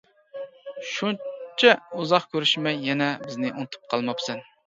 -شۇنچە ئۇزاق كۆرۈشمەي يەنە بىزنى ئۇنتۇپ قالماپسەن!